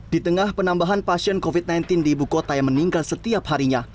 di tengah penambahan pasien covid sembilan belas di ibu kota yang meninggal setiap harinya